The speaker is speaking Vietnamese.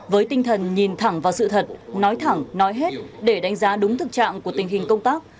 với tinh thần nhìn thẳng vào sự thật nói thẳng nói hết để đánh giá đúng thực trạng của tình hình công tác